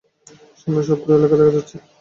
সামনে শত্রুর এলাকা দেখা যাচ্ছে।